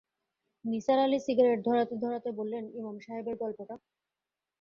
Nisar Ali cigarette ধরাতে-ধরাতে বললেন, ইমাম সাহেবের গল্পটা।